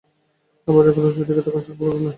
আবার যখন রজ্জু দেখি, তখন সর্প আর নাই।